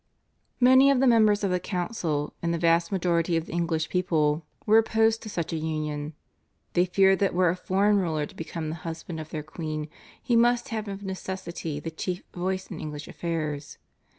Many of the members of the council and the vast majority of the English people were opposed to such a union. They feared that were a foreign ruler to become the husband of their queen he must have of necessity the chief voice in English affairs.